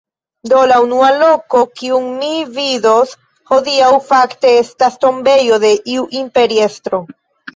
Do, la unua loko, kiun mi vidos hodiaŭ fakte estas tombejo de iu imperiestro